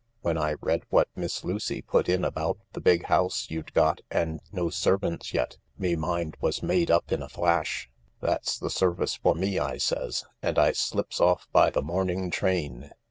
When I read what Miss Lucy put in about the big house you'd got and no servants yet, me mind was made up in a flash. That's the service for me, I says, and I slips ofi by the morning train.